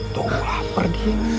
tuh lapar dia